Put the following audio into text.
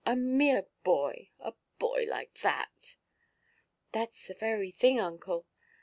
A mere boy! A boy like that!" "Thatʼs the very thing, uncle.